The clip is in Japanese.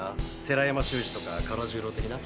寺山修司とか唐十郎的な。